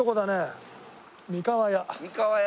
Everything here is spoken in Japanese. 三河屋。